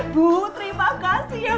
bu terima kasih ya